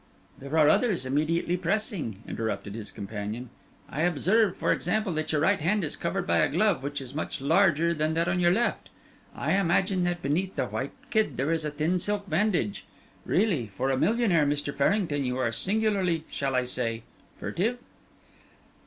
"There are others immediately pressing," interrupted his companion. "I observe, for example, that your right hand is covered by a glove which is much larger than that on your left. I imagine that beneath the white kid there is a thin silk bandage. Really, for a millionaire, Mr. Farrington, you are singularly shall I say 'furtive'?"